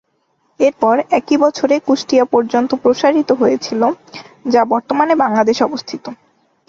এরপর একই বছরে কুষ্টিয়া পর্যন্ত প্রসারিত হয়েছিল, যা বর্তমানে বাংলাদেশে অবস্থিত।